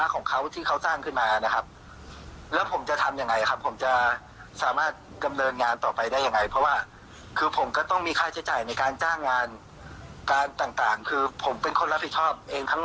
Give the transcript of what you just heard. ของเขาที่เขาสร้างขึ้นมานะครับ